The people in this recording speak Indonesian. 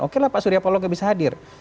oke lah pak surya paloha tidak bisa hadir